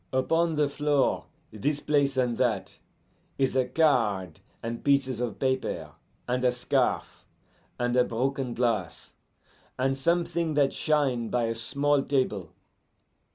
Upon the floor, this place and that, is a card, and pieces of paper, and a scarf, and a broken glass, and something that shine by a small table.